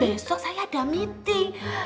besok saya ada meeting